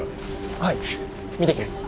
はい見てきます。